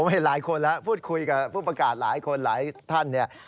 เห็นหลายคนแล้วพูดคุยกับผู้ประกาศหลายคนหลายท่านเนี่ย